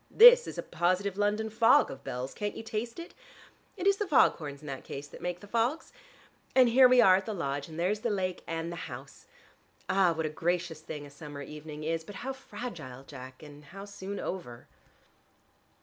This is a positive London fog of bells; can't you taste it? Is it the foghorns, in that case, that make the fogs? And here we are at the lodge and there's the lake, and the house! Ah, what a gracious thing a summer evening is. But how fragile, Jack, and how soon over."